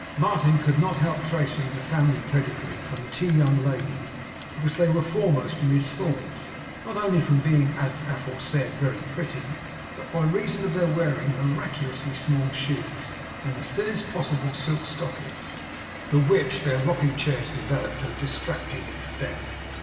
Martin could not help tracing the family pedigree from the two young ladies, because they were foremost in his thoughts; not only from being, as aforesaid, very pretty, but by reason of their wearing miraculously small shoes, and the thinnest possible silk stockings; the which their rocking chairs developed to a distracting extent.